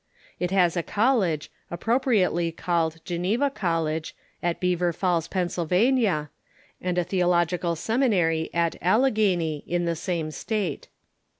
It has a college, apj^ropriately called Geneva College, at Beaver Falls, Pennsylvania, and a theological sem inary at Allegheny, in the same State.